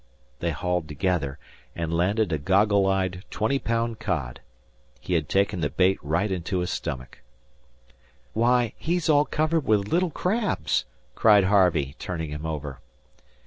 They hauled together, and landed a goggle eyed twenty pound cod. He had taken the bait right into his stomach. "Why, he's all covered with little crabs," cried Harvey, turning him over.